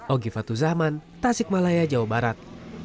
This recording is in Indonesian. ogifat tuzaman tasik malaya jawa barat